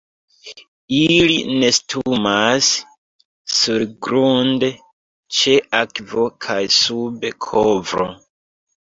Ili nestumas surgrunde, ĉe akvo kaj sub kovro.